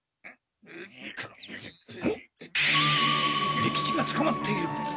利吉がつかまっている？